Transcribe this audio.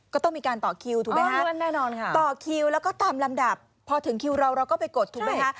ก็ต้องมีการต่อคิวถูกไหมฮะต่อคิวแล้วก็ตามลำดับพอถึงคิวเราเราก็ไปกดถูกไหมคะ